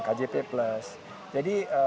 kjp plus jadi